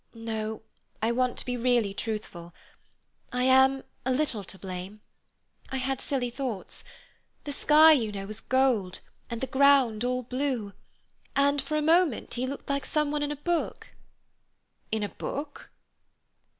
No, I want to be really truthful. I am a little to blame. I had silly thoughts. The sky, you know, was gold, and the ground all blue, and for a moment he looked like someone in a book." "In a book?"